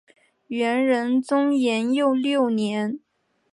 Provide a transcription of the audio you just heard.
元仁宗延佑六年。